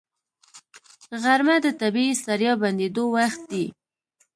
غرمه د طبیعي ستړیا بندېدو وخت دی